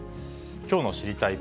きょうの知りたいッ！